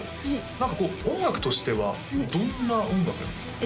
何かこう音楽としてはどんな音楽なんですか？